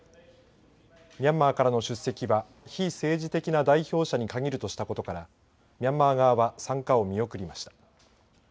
ミャンマーからの出席は非政治的な代表者に限るとしたことからミャンマー側は参加を見送りました。